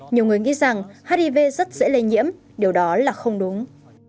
nhiều người nghĩ rằng hiv rất dễ lây nhiễm điều đó là không đúng